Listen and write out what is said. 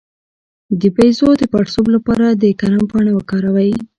د بیضو د پړسوب لپاره د کرم پاڼه وکاروئ